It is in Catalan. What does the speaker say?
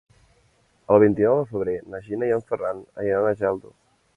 El vint-i-nou de febrer na Gina i en Ferran aniran a Geldo.